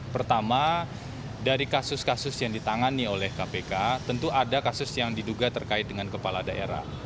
pertama dari kasus kasus yang ditangani oleh kpk tentu ada kasus yang diduga terkait dengan kepala daerah